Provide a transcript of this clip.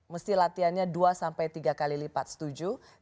mesti latihannya dua sampai tiga kali lipat setuju